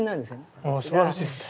ああすばらしいですね。